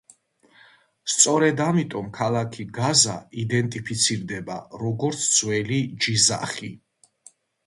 სწორედ ამიტომ ქალაქი გაზა იდენტიფიცირდება, როგორც ძველი ჯიზახი.